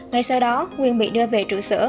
ngay sau đó nguyên bị đưa về trụ sở